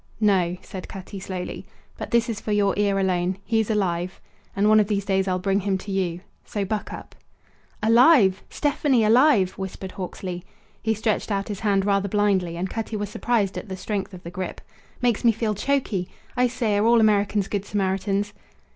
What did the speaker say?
"No," said Cutty, slowly. "But this is for your ear alone: He's alive; and one of these days I'll bring him to you. So buck up." "Alive! Stefani alive!" whispered Hawksley. He stretched out his hand rather blindly, and Cutty was surprised at the strength of the grip. "Makes me feel choky. I say, are all Americans good Samaritans?"